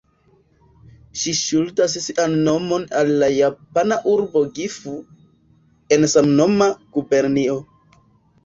Ĝi ŝuldas sian nomon al la japana urbo Gifu, en samnoma gubernio.